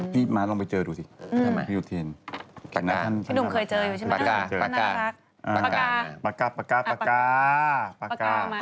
พี่ดุ๋มเคยเจออยู่ใช่ไหมครับก่อนหน้าครับปาก้า